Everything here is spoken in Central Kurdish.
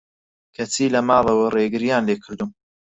کەچی لە ماڵەوە رێگریان لێکردووم